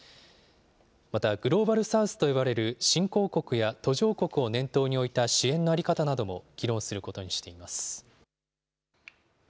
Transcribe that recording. また、グローバル・サウスと呼ばれる新興国や途上国を念頭に置いた支援の在り方なども議論することにしています。